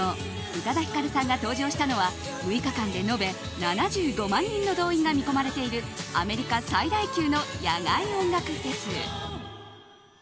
宇多田ヒカルさんが登場したのは６日間で延べ７５万人の動員が見込まれているアメリカ最大級の野外音楽フェス。